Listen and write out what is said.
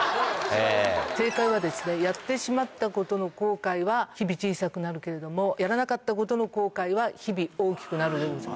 正解はやってしまったことの後悔は日々小さくなるけれども、やらなかったことの後悔は日々大きくなるでございます。